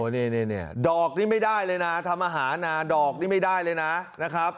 นี่ดอกนี้ไม่ได้เลยนะทำอาหารนาดอกนี่ไม่ได้เลยนะครับ